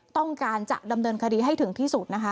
ต้องการจะดำเนินคดีให้ถึงที่สุดนะคะ